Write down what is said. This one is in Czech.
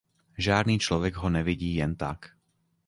Žádný člověk ho nevidí jen tak.